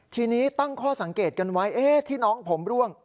ทีนี้ตั้งข้อสังเกตกันไว้ที่น้องผมร่วง